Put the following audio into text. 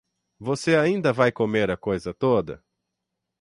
Você ainda vai comer a coisa toda?